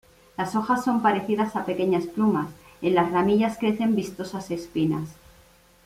Las hojas son parecidas a pequeñas plumas, en las ramillas crecen vistosas espinas.